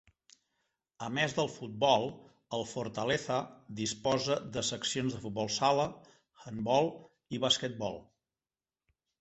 A més del futbol, el Fortaleza disposa de seccions de futbol sala, handbol i basquetbol.